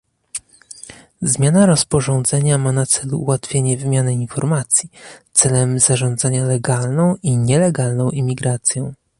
Zmiana rozporządzenia ma na celu ułatwienie wymiany informacji "celem zarządzania legalną i nielegalną imigracją"